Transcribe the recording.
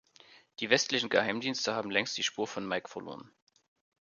Die westlichen Geheimdienste haben längst die Spur von Mike verloren.